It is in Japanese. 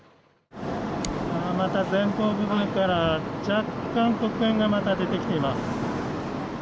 また前方部分から若干、黒煙が出てきています。